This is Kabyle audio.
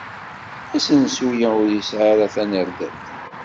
Asensu-a ur yesɛi ara tanerdabt.